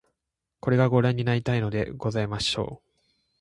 これが御覧になりたいのでございましょう